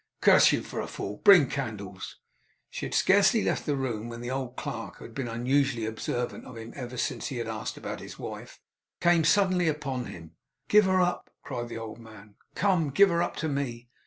'Curse you for a fool. Bring candles!' She had scarcely left the room when the old clerk, who had been unusually observant of him ever since he had asked about his wife, came suddenly upon him. 'Give her up!' cried the old man. 'Come! Give her up to me!